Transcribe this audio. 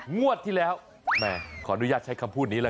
งวดที่แล้วแหมขออนุญาตใช้คำพูดนี้แล้ว